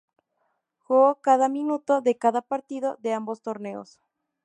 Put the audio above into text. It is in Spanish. Jugó cada minuto de cada partido de ambos torneos.